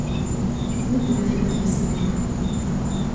Medlet adlis-nwen.